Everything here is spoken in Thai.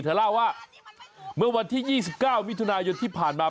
เล่าว่าเมื่อวันที่๒๙มิถุนายนที่ผ่านมา